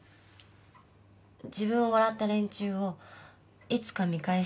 自分を笑った連中をいつか見返してやるって。